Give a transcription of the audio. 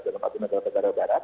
dalam arti negara negara barat